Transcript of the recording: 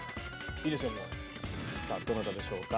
どなたでしょうか？